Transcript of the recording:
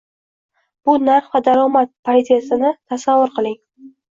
Bu narx va daromad paritetini tasavvur qiling